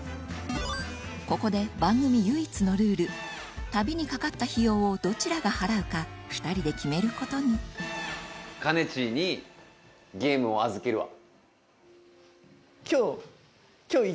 ここで番組唯一のルール旅にかかった費用をどちらが払うか２人で決めることにハハハハなるほど。